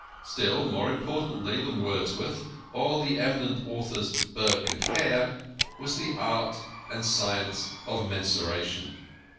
Still more important than Wordsworth, or the eminent authors, Burke and Hare, was the art and science of mensuration.